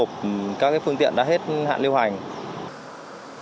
các phương tiện đã hết hạn lưu hành